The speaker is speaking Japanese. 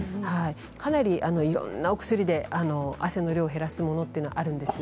かなりいろんなお薬で汗の量を減らすものってあるんです。